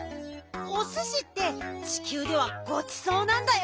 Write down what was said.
おすしってちきゅうではごちそうなんだよ。